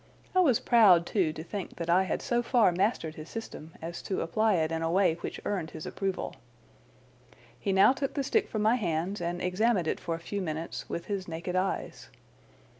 I was proud, too, to think that I had so far mastered his system as to apply it in a way which earned his approval. He now took the stick from my hands and examined it for a few minutes with his naked eyes.